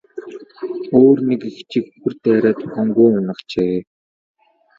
Өөр нэг эгчийг үхэр дайраад ухаангүй унагажээ.